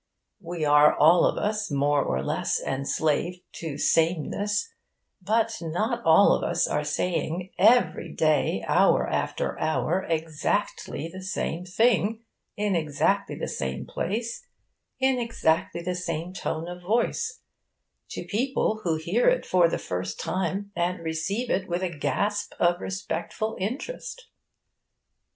We are, all of us, more or less enslaved to sameness; but not all of us are saying, every day, hour after hour, exactly the same thing, in exactly the same place, in exactly the same tone of voice, to people who hear it for the first time and receive it with a gasp of respectful interest.